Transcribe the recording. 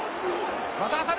また当たる。